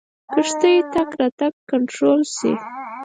کښتیو تګ راتګ کنټرول شي.